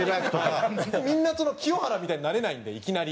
みんな清原みたいになれないんでいきなり。